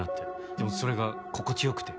でもそれが心地良くて。